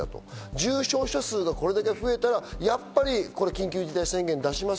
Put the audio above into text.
重症者数がこれだけ増えたら緊急事態宣言を出します